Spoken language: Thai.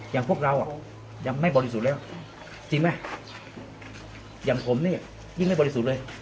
อย่างพวกเราอ่ะยังไม่บริสุทธิ์แล้วจริงไหมอย่างผมนี่ยิ่งไม่บริสุทธิ์เลย